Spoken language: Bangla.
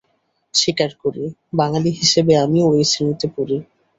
স্বীকার করি, বাঙালি হিসেবে আমিও এই শ্রেণিতে পড়ি।